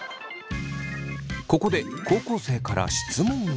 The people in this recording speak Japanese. ここで高校生から質問が。